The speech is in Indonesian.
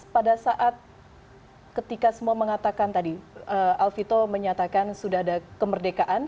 dua ribu sembilan belas pada saat ketika semua mengatakan tadi alfito menyatakan sudah ada kemerdekaan